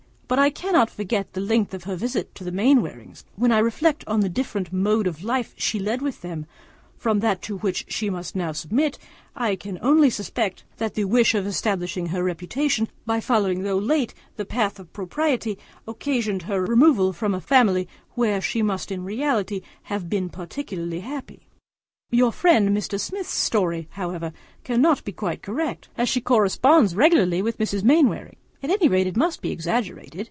But I cannot forget the length of her visit to the Mainwarings, and when I reflect on the different mode of life which she led with them from that to which she must now submit, I can only suppose that the wish of establishing her reputation by following though late the path of propriety, occasioned her removal from a family where she must in reality have been particularly happy. Your friend Mr. Smith's story, however, cannot be quite correct, as she corresponds regularly with Mrs. Mainwaring. At any rate it must be exaggerated.